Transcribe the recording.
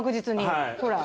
はい。